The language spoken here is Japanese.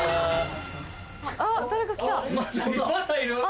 あっ誰か来た。